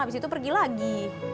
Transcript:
habis itu pergi lagi